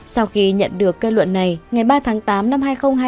sau khi nhận được kết luận này ngày ba tháng tám năm hai nghìn hai mươi ba